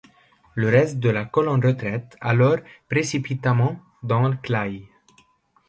Le reste de la colonne retraite alors précipitamment dans Claye.